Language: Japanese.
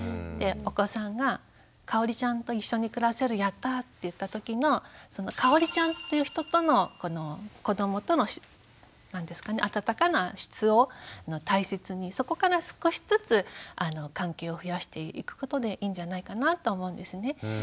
でお子さんが「かおりちゃんと一緒に暮らせる。やった」って言った時のその「かおりちゃんという人」との子どもとの温かな質を大切にそこから少しずつ関係を増やしていくことでいいんじゃないかなと思うんですね。